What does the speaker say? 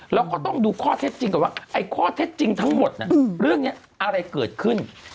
แล้วก็ต้องดูข้อเท็จจริงก่อนว่าไอ้ข้อเท็จจริงทั้งหมดเรื่องนี้อะไรเกิดขึ้น